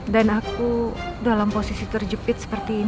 dan aku dalam posisi terjepit seperti andin